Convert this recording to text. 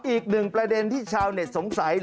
อีกหนึ่งประเด็นที่ชาวแรงสมใส